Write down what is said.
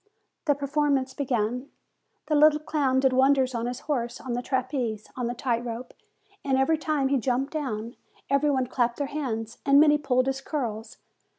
The performance began. The little clown did wonders on his horse, on the trapeze, on the tight rope; and every time that he jumped down, every one clapped their hands, and many pulled his curls.